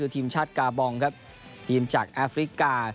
ทีมชาติกาบองครับทีมจากแอฟริกา